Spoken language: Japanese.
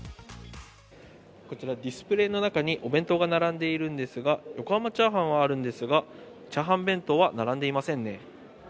こちら、ディスプレーの中にお弁当が並んでいるんですが、横濱チャーハンはあるんですが炒飯弁当は並んでいませんね。